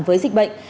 với dịch bệnh